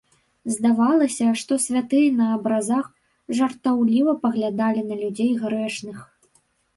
Здавалася, што святыя на абразах жартаўліва паглядалі на людзей грэшных.